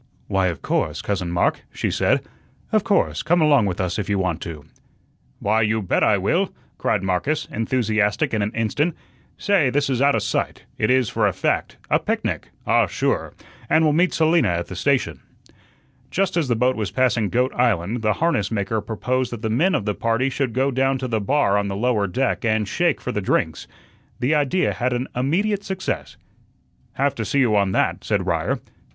"Why, of course, Cousin Mark," she said; "of course, come along with us if you want to." "Why, you bet I will," cried Marcus, enthusiastic in an instant. "Say, this is outa sight; it is, for a fact; a picnic ah, sure and we'll meet Selina at the station." Just as the boat was passing Goat Island, the harness maker proposed that the men of the party should go down to the bar on the lower deck and shake for the drinks. The idea had an immediate success. "Have to see you on that," said Ryer.